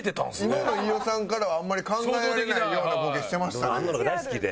今の飯尾さんからはあんまり考えられないようなボケしてましたね。